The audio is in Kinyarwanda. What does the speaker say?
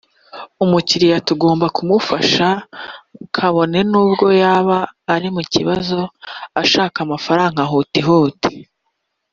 “Umukiriya tugomba kumufasha kabone n’bwo yaba ari mu kibazo ashaka amafaranga huti huti